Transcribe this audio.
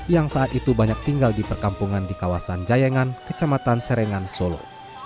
yang saat itu banyak tinggal di perkampungan di kawasan jayangan kecamatan serengan solo